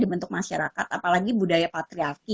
dibentuk masyarakat apalagi budaya patriarki